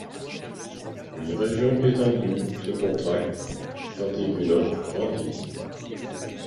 une région “étendue” se contracte tandis qu'une autre grandit.